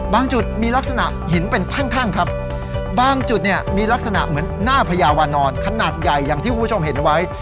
จุดมีลักษณะหินเป็นแท่งครับบางจุดเนี่ยมีลักษณะเหมือนหน้าพญาวานอนขนาดใหญ่อย่างที่คุณผู้ชมเห็นไว้